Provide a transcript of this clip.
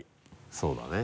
そうだね。